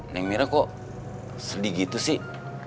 neng mirah kok sedih gitu sih